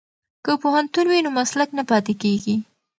که پوهنتون وي نو مسلک نه پاتیږي.